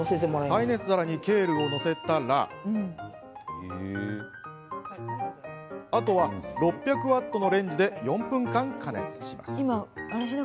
耐熱皿にケールを載せたらあとは６００ワットのレンジで４分間、加熱。